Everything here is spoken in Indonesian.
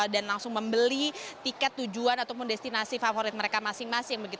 langsung membeli tiket tujuan ataupun destinasi favorit mereka masing masing